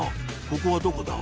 ここはどこだ？